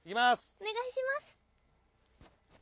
お願いします。